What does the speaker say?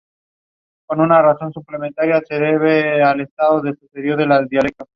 Los elementos de la matriz residual pueden ser negativos o positivos.